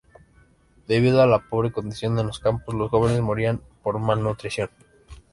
Debido a la pobre condición en los campos, los jóvenes morían por malnutrición.